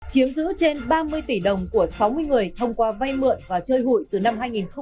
chiếm giữ trên ba mươi tỷ đồng của sáu mươi người thông qua vay mượn và chơi hụi từ năm hai nghìn một mươi sáu